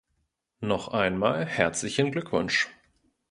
Noch einmal herzlichen Glückwunsch.